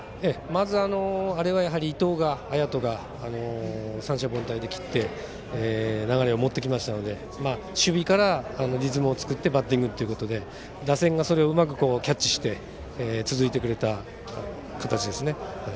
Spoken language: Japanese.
まず、あれは伊藤彩斗が三者凡退で切って流れを持ってきたので守備からリズムを作ってバッティングということで打線がそれをうまくキャッチして続いてくれた形ですね。